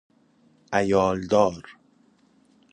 عیال دار